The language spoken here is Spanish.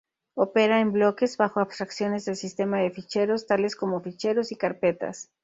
Opera en bloques, bajo abstracciones del sistema de ficheros tales como ficheros y carpetas.